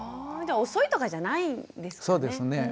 じゃ遅いとかじゃないんですかね？